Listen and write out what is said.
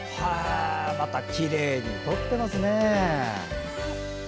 またきれいに撮ってますね。